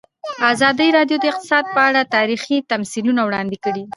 ازادي راډیو د اقتصاد په اړه تاریخي تمثیلونه وړاندې کړي.